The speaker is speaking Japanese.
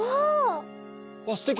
すてき！